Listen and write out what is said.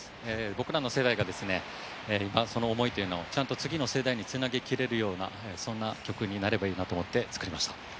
僕らの世代が今、その思いをちゃんと次の世代につなげきれるようなそんな曲になればいいなと思って作りました。